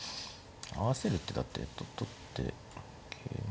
合わせるってだって取って桂馬。